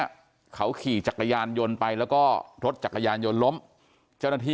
เขาขี่จักรยานยนต์ไปแล้วก็รถจักรยานยนต์ล้มเจ้าหน้าที่